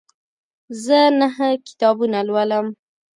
زه نهه کتابونه لولم.